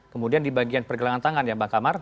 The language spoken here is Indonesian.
kemudian di bagian pergelangan tangan ya bang kamar